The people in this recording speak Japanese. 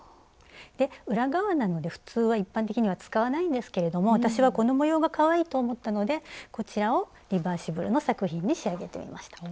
裏側なので普通は一般的には使わないんですけれども私はこの模様がかわいいと思ったのでこちらをリバーシブルの作品に仕上げてみました。